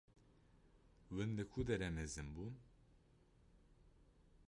Hûn li ku derê mezin bûn?